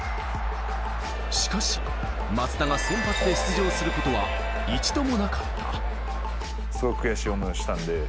しかし松田が先発で出場することは一度もなかった。